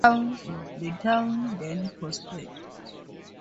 The town then prospered.